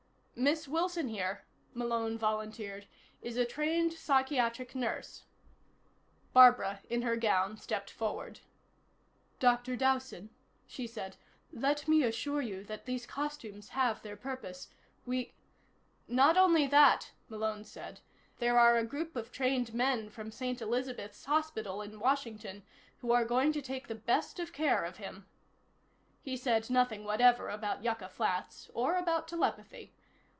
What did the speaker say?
"Miss Wilson here," Malone volunteered, "is a trained psychiatric nurse." Barbara, in her gown, stepped forward. "Dr. Dowson," she said, "let me assure you that these costumes have their purpose. We " "Not only that," Malone said. "There are a group of trained men from St. Elizabeths Hospital in Washington who are going to take the best of care of him." He said nothing whatever about Yucca Flats, or about telepathy.